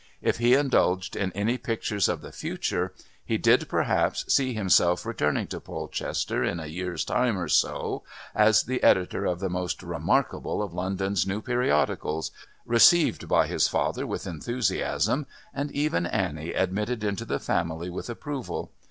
If he indulged in any pictures of the future, he did, perhaps, see himself returning to Polchester in a year's time or so, as the editor of the most remarkable of London's new periodicals, received by his father with enthusiasm, and even Annie admitted into the family with approval.